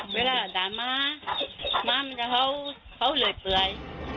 เวลาอาจารย์มามามันจะเผาเหลือเปลือย